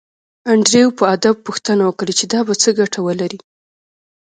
انډریو په ادب پوښتنه وکړه چې دا به څه ګټه ولري